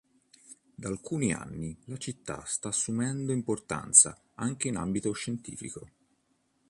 Da alcuni anni la città sta assumendo importanza anche in ambito scientifico.